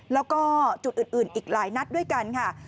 แล้วก็จุดอื่นอีกหลายนัดด้วยกันค่ะ